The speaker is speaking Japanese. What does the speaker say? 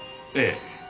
ええ。